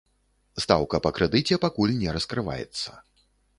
Стаўка па крэдыце пакуль не раскрываецца.